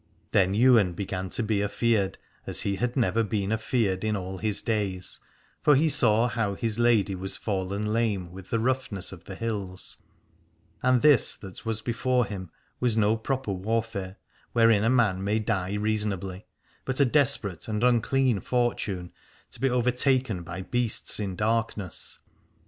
Then Ywain began to be afeared as he had never been afeared in all his days, for he saw how his lady was fallen lame with the rough ness of the hills : and this that was before him was no proper warfare, wherein a man may die reasonably, but a desperate and unclean fortune, to be overtaken by beasts in darkness.